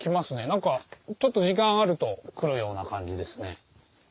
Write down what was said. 何かちょっと時間あると来るような感じですね。